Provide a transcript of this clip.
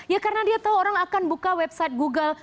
ya karena dia tahu orang akan buka website google